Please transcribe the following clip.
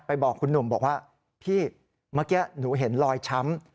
บอกคุณหนุ่มบอกว่าพี่เมื่อกี้หนูเห็นรอยช้ำ